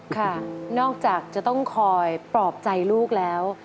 ค่ะนอกจากจะต้องคอยปลอบใจลูกแล้ว